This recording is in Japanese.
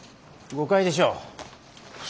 誤解でしょう。